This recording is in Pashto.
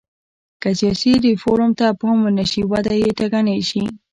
که سیاسي ریفورم ته پام ونه شي وده یې ټکنۍ شي.